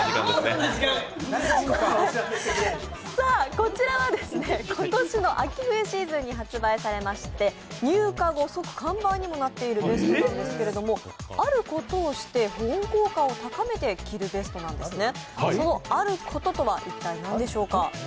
こちらは今年の秋冬シーズンに発売されまして入荷後、即完売にもなっているベストなんですがあることをして保温効果を高めて着るベストなんですね。